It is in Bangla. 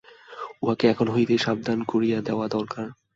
উঁহাকে এখন হইতেই সাবধান করিয়া দেওয়া দরকার।